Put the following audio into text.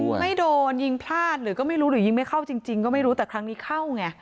คือไม่โดนยิงพลาดหรือก็ไม่รู้หรือยิงไม่เข้าจริงก็ไม่รู้แต่ครั้งนี้เข้าไง